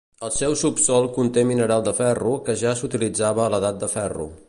El seu subsòl conté mineral de ferro que ja s'utilitzava a l'Edat de Ferro.